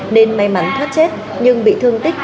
nên may mắn thoát chết nhưng bị thương tích năm mươi ba